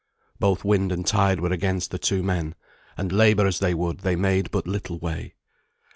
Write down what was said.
Both wind and tide were against the two men, and labour as they would they made but little way.